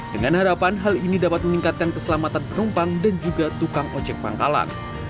dengan harapan hal ini dapat meningkatkan keselamatan penumpang dan juga tukang ojek pangkalan